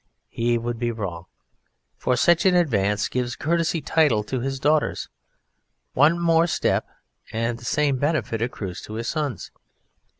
He would be wrong, for such an advance gives a courtesy title to his daughters; one more step and the same benefit accrues to his sons.